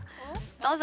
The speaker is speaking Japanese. どうぞ。